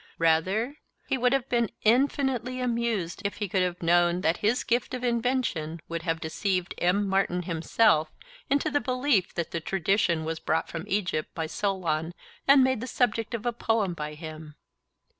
Rather he would have been infinitely amused if he could have known that his gift of invention would have deceived M. Martin himself into the belief that the tradition was brought from Egypt by Solon and made the subject of a poem by him.